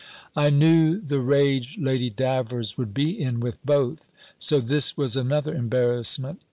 I knew the rage Lady Davers would be in with both. So this was another embarrassment.